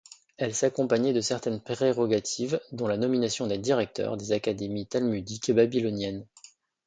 Elle s'accompagnait de certaines prérogatives, dont la nomination des directeurs des académies talmudiques babyloniennes.